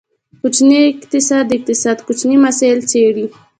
کوچنی اقتصاد، د اقتصاد کوچني مسایل څیړي.